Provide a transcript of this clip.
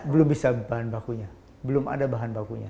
belum bisa bahan bakunya belum ada bahan bakunya